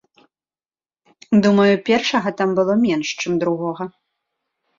Думаю, першага там было менш, чым другога.